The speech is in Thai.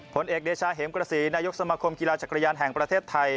ผลเอกเดชาเหมกระศรีนายกสมาคมกีฬาจักรยานแห่งประเทศไทย